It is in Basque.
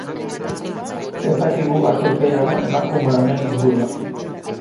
Ez dakigu askoz gehiago emakume honen inguruan.